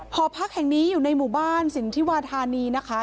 หอพักแห่งนี้อยู่ในหมู่บ้านสินทิวาธานีนะคะ